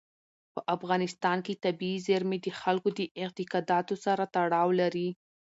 په افغانستان کې طبیعي زیرمې د خلکو د اعتقاداتو سره تړاو لري.